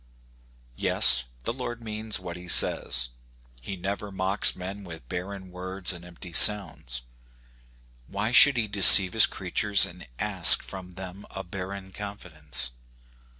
Yes, the Lord means what he says. He never mocks men with barren words and empty sounds. Why should he deceive his creatures, and ask from them a barren confidence?